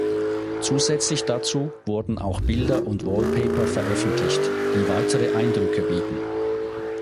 Zusätzlich dazu wurden auch Bilder und Wallpaper veröffentlicht, die weitere Eindrücke bieten.